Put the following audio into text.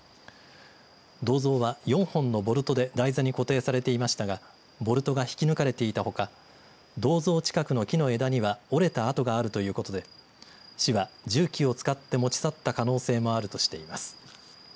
銅像は４本のボルトで台座に固定されていましたがボルトが引き抜かれていたほか銅像近くの木の枝には折れた跡があるということで市は重機を使って持ち去った可能性もあるとしています。